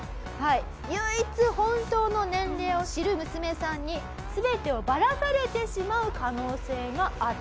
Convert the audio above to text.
唯一本当の年齢を知る娘さんに全てをバラされてしまう可能性がある。